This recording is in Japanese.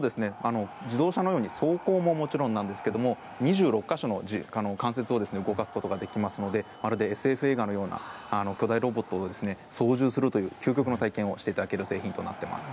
自動車のように走行ももちろんなんですが２６か所の関節を動かすことができますのでまるでＳＦ映画のような巨大ロボットを操縦するという究極の体験をしていただける製品となっています。